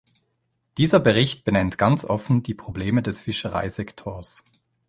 Dieser Bericht benennt ganz offen die Probleme des Fischereisektors.